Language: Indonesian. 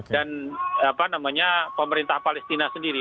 dan apa namanya pemerintah palestina sendiri